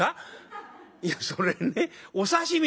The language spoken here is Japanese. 「いやそれねお刺身」。